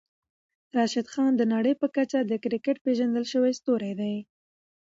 راشدخان د نړۍ په کچه د کريکيټ پېژندل شوی ستوری دی.